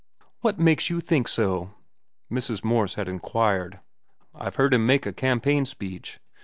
"What makes you think so?" Mrs. Morse had inquired. "I've heard him make a campaign speech.